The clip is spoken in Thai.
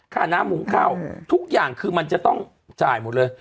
ค่าน้ำหุงข้าวทุกอย่างคือมันจะต้องจ่ายหมดเลย